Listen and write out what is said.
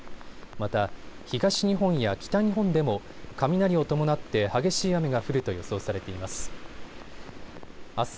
また東日本や北日本でも雷を伴って激しい雨が降ると予想されています。